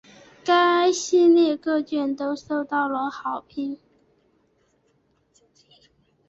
该系列各卷都受到了好评。